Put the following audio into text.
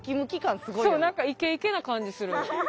何かイケイケな感じする。